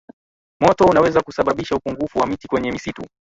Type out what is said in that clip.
moto unaweza kusababisha upungufu wa miti kwenye misitu